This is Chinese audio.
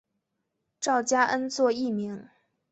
赵佳恩作艺名。